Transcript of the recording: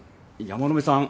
山野辺さん